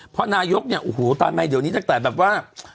เพราะนายกเนี่ยโอ้โหตอนใหม่เดี๋ยวนี้ตั้งแต่แบบว่า